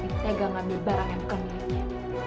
saudara tapi tega ngambil barang yang bukan miliknya